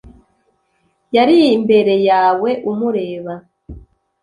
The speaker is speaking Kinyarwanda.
yari imbere yawe umureba